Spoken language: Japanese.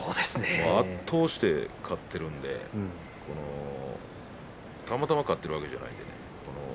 圧倒して勝っているんでたまたま勝っているわけではないんで。